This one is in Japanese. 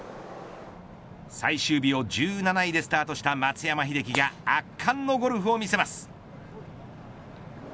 最終日の１７位でスタートした松山英樹が圧巻のゴルフを見せます。